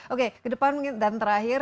oke ke depan mungkin dan terakhir